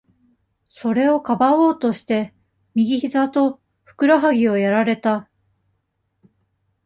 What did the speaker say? それをかばおうとして、右ひざと、ふくらはぎをやられた。